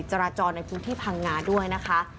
จราจรในพื้นที่พังงาด้วยนะคะ